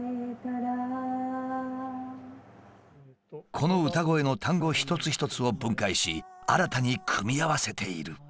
この歌声の単語一つ一つを分解し新たに組み合わせている。